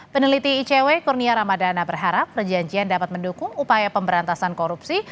peneliti icw kurnia ramadana berharap perjanjian dapat mendukung upaya pemberantasan korupsi